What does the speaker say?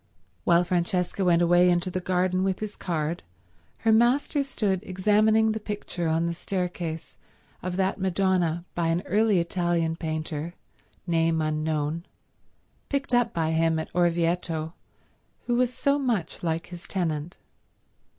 While Francesca went away into the garden with his card, her master stood examining the picture on the staircase of that Madonna by an early Italian painter, name unknown, picked up by him at Orvieto, who was so much like his tenant.